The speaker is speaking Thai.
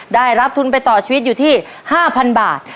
ได้รับทุนไปต่อชีวิตอยู่ที่๕๐๐๐บาท